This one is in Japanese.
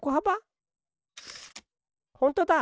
ほんとだ！